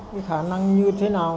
cái khả năng như thế nào